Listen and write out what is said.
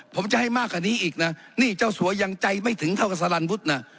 ผมจะให้มากกว่านี้อีกนะนี่เจ้าสัวยังใจไม่ถึงเท่ากับสลันวุฒินะ